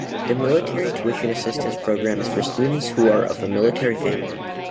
The military tuition assistance program is for students who are of a military family.